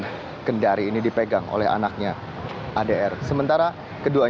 bagaimana aplikasi praktik pemerintah as yang pact heart public service kota kendari